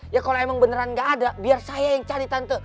ya kalau emang beneran gak ada biar saya yang cari tante